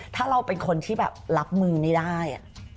ถ้าเราเป็นคนที่แบบรับมือไม่ได้